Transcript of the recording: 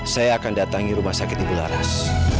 saya akan datangi rumah sakit ibu laras